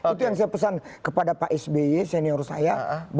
itu yang saya pesan kepada pak sby senior saya